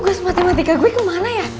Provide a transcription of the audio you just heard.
gue matematika gue kemana ya